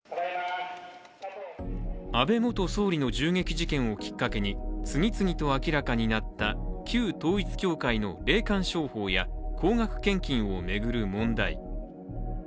安倍元総理の銃撃事件をきっかけに次々と明らかになった旧統一教会の霊感商法や高額献金を巡る問題。